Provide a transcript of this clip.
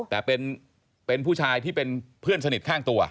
แต่เป็นผู้ชายที่เป็นเพื่อนสนิทข้างตัว